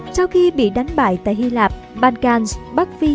sau khi bị đánh bại tại hy lạp bankarns bắc phi